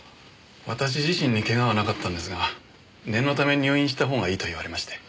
私自身にけがはなかったんですが念のため入院した方がいいと言われまして。